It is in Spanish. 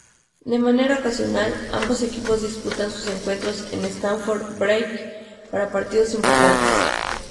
De manera ocasional, ambos equipos disputan sus encuentros en Stamford Bridge para partidos importantes.